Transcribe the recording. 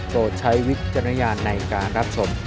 ใช้วิจารณญาณในการรับชม